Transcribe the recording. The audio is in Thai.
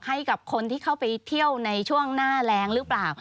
ให้กับคนที่เข้าไปเที่ยวในช่วงหน้าแรงหรือเปล่า